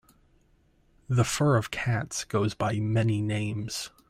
The fur of cats goes by many names.